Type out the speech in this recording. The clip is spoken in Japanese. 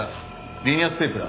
リニアステープラー。